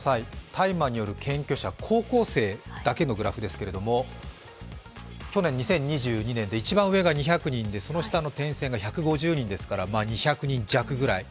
大麻による検挙者、高校生だけのグラフですけれども去年２０２２年で一番上が２００人でその下の点線が１５０人ですから、２００人弱ぐらい。